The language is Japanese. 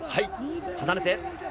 離れて。